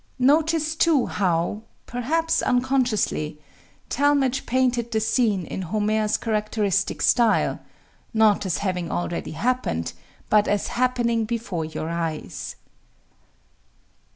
Notice, too, how perhaps unconsciously Talmage painted the scene in Homer's characteristic style: not as having already happened, but as happening before your eyes.